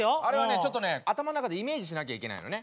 ちょっとね頭の中でイメージしなきゃいけないのね。